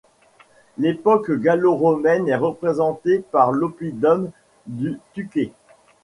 L'époque gallo-romaine est représentée par l'oppidum du Tuquet.